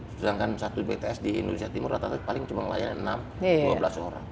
sedangkan satu bts di indonesia timur paling cuma layan enam dua belas orang